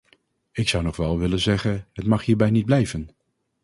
Ik zou nog wel willen zeggen: het mag hierbij niet blijven.